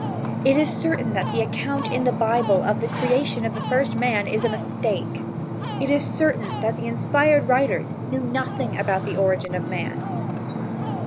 It is certain that the account in the Bible of the creation of the first man is a mistake. It is certain that the inspired writers knew nothing about the origin of man.